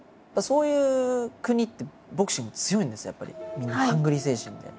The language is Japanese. みんなハングリー精神で。